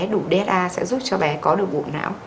đủ da sẽ giúp cho bé có được bộ não